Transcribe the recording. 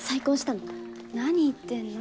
何言ってんの？